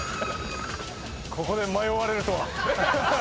ここで迷われるとは。